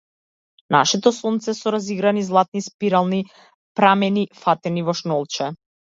Нашето сонце, со разиграни златни спирални прамени, фатени во шнолче.